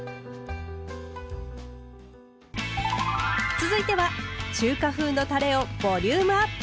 続いては中華風のたれをボリュームアップ！